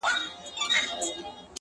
نه پوهېږم ورکه کړې مي ده لاره -